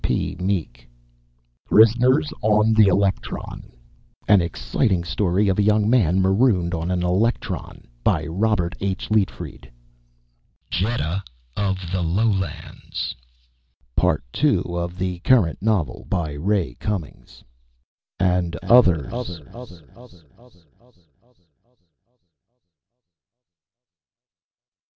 P. Meek PRISONERS ON THE ELECTRON An Exciting Story of a Young Man Marooned on an Electron By Robert H. Leitfred JETTA OF THE LOWLANDS Part Two of the Current Novel By Ray Cummings _ AND OTHERS!